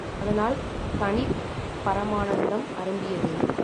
அதனால் தனிப் பரமானந்தம் அரும்பியது.